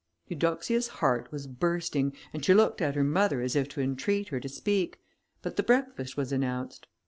] Eudoxia's heart was bursting, and she looked at her mother as if to entreat her to speak; but the breakfast was announced.